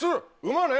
馬ね。